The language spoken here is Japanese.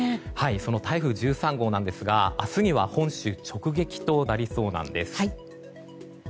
その台風１３号ですが明日には本州直撃となりそうなんです。